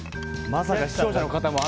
まさか視聴者の方も